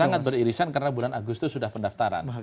sangat beririsan karena bulan agustus sudah pendaftaran